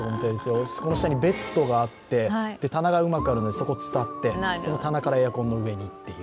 そこの下にベッドがあって棚がうまくあるのでそこを伝って、その棚からエアコンの上にという。